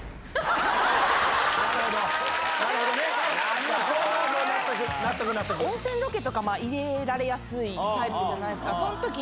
あぁなるほどね！入れられやすいタイプじゃないですか。